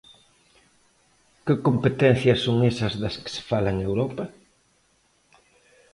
¿Que competencias son esas das que se fala en Europa?